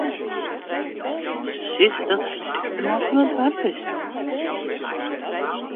Se sizze dat hy de rykste man fan it doarp is.